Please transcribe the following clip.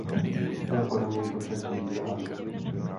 V čisté formě je to však bílý prášek.